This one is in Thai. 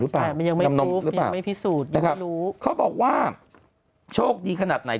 หรือเปล่ายังไม่พิสูจน์ยังไม่รู้เขาบอกว่าโชคดีขนาดไหน